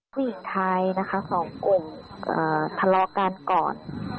ผู้หญิงไทยนะคะสองกลุ่มทะเลาะกันก่อน